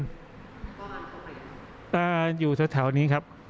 ก็อยู่ทางแถวนี้ครับ